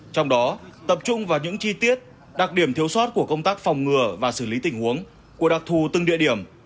trong đó tập trung vào những chi tiết đặc điểm thiếu sót của công tác phòng ngừa và xử lý tình huống của đặc thù từng địa điểm